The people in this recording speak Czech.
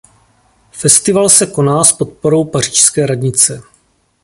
Festival se koná s podporou Pařížské radnice.